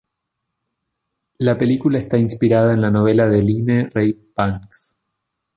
La película está inspirada en la novela de Lynne Reid Banks.